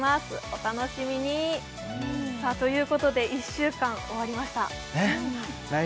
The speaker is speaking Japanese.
お楽しみにさあということで１週間終わりましたねえ